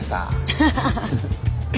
ハハハ。